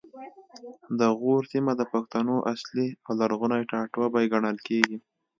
د غور سیمه د پښتنو اصلي او لرغونی ټاټوبی ګڼل کیږي